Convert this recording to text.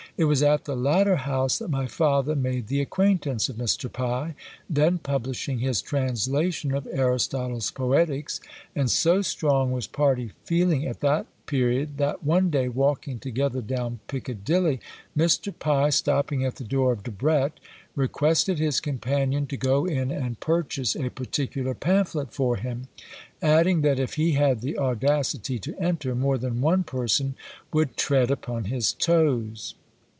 It was at the latter house that my father made the acquaintance of Mr. Pye, then publishing his translation of Aristotle's Poetics, and so strong was party feeling at that period, that one day, walking together down Piccadilly, Mr. Pye, stopping at the door of Debrett, requested his companion to go in and purchase a particular pamphlet for him, adding that if he had the audacity to enter, more than one person would tread upon his toes.